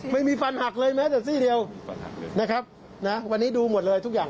ไม่มีฟันหักเลยแม้แต่ซี่เดียวนะครับนะวันนี้ดูหมดเลยทุกอย่าง